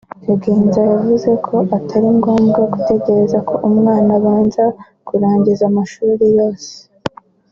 Kagenza yavuze ko atari ngombwa gutegereza ko umwana abanza kurangiza amashuri yose